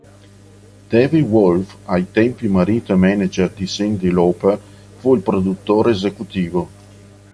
David Wolff, ai tempi marito e manager di Cyndi Lauper, fu il produttore esecutivo.